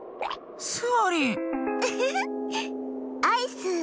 アイス。